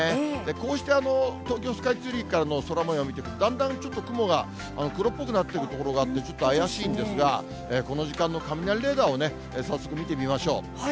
こうして、東京スカイツリーからの空もよう見てると、だんだんちょっと雲が黒っぽくなっていく所があって、ちょっと怪しいんですが、この時間の雷レーダーを、早速、見てみましょう。